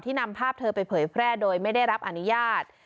นำภาพเธอไปเผยแพร่โดยไม่ได้รับอนุญาต